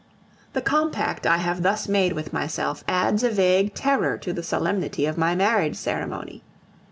The compact I have thus made with myself adds a vague terror to the solemnity of my marriage ceremony.